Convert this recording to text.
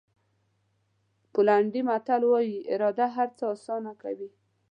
پولنډي متل وایي اراده هر څه آسانه کوي.